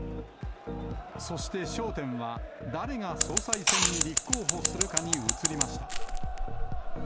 そして焦点は、誰が総裁選に立候補するかに移りました。